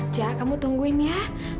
jah kamu tungguin ya